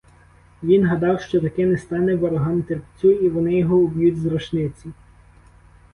Він гадав, що таки не стане ворогам терпцю і вони його уб'ють з рушниці.